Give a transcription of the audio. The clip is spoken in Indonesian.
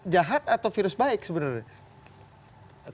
jahat atau virus baik sebenarnya